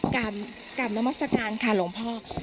กรรมนามสการค่ะหลวงพ่อ